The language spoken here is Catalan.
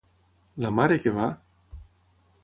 La mare que va!